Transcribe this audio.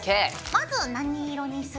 まず何色にする？